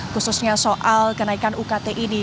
khususnya soal kenaikan ukt ini